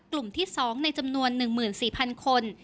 กลุ่มที่๒ในจำนวน๑๔๐๐คน